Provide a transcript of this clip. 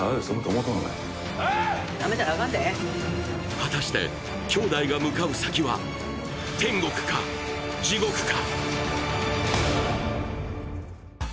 果たしてきょうだいが向かう先は天国か地獄か？